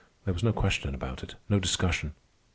There was no question about it, no discussion.